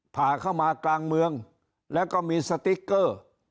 ผ่าเข้ามากลางเมืองแล้วก็มีสติ๊กเกอร์